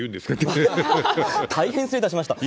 大変失礼いたしました。